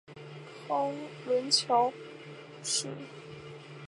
霍亨索伦桥是位于德国科隆的一座跨越莱茵河的桥梁。